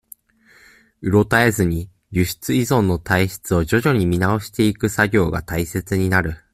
うろたえずに、輸出依存の体質を徐々に見直していく作業が大切になる。